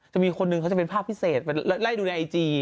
จะมีคนหนึ่งเขาจะเป็นภาพพิเศษไปไล่ดูในไอจี